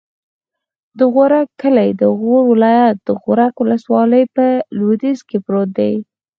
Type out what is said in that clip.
د غورک کلی د غور ولایت، غورک ولسوالي په لویدیځ کې پروت دی.